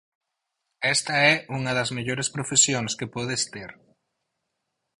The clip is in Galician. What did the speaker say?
Esta é unha das mellores profesións que podes ter.